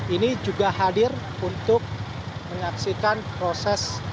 ini juga hadir untuk mengaksikan proses pengawasan